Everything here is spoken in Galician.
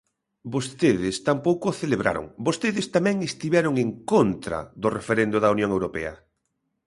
Vostedes tampouco o celebraron, vostedes tamén estiveron en contra do referendo da Unión Europea.